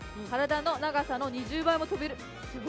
体の長さの２０倍も跳べる。